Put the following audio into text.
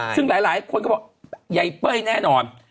ซึ่งหลายคนก็บอกใยเป้ยแน่นอน